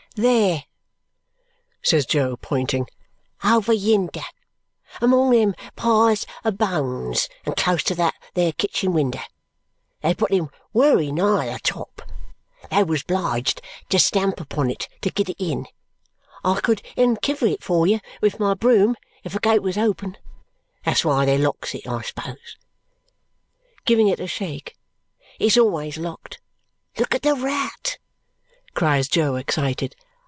"There!" says Jo, pointing. "Over yinder. Among them piles of bones, and close to that there kitchin winder! They put him wery nigh the top. They was obliged to stamp upon it to git it in. I could unkiver it for you with my broom if the gate was open. That's why they locks it, I s'pose," giving it a shake. "It's always locked. Look at the rat!" cries Jo, excited.